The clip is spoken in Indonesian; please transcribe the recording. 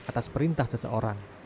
atas perintah seseorang